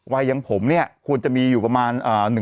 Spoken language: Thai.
วัยอย่างผมเนี่ยควรจะมีอยู่ประมาณ